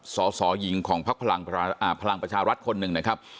สสหญิงของพักพลังประชารัฐคนหนึ่งนะครับ